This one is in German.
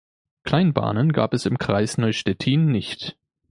Kleinbahnen gab es im Kreis Neustettin nicht.